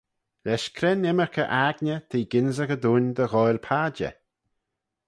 Lesh cre'n ymmyrkey aigney t'eh gynsaghey dooin dy ghoaill padjer?